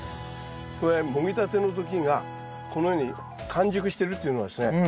これもぎたての時がこのように完熟してるっていうのはですね